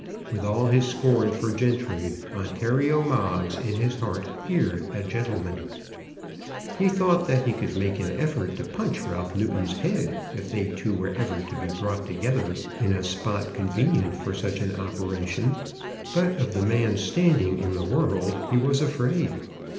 With all his scorn for gentry, Ontario Moggs in his heart feared a gentleman. He thought that he could make an effort to punch Ralph Newton's head if they two were ever to be brought together in a spot convenient for such an operation; but of the man's standing in the world, he was afraid.